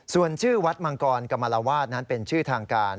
ส่วนชื่อวัดมังกรกรรมลาวาสนั้นเป็นชื่อทางการ